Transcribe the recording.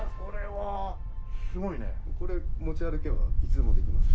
これ持ち歩けばいつでもできます。